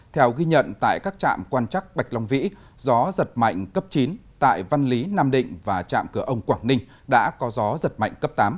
theo ghi nhận tại các trạm quan chắc bạch long vĩ gió giật mạnh cấp chín tại văn lý nam định và trạm cửa ông quảng ninh đã có gió giật mạnh cấp tám